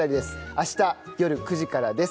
明日夜９時からです。